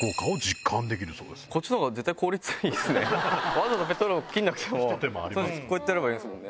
わざわざペットボトル切らなくてもこうやってやればいいですもんね。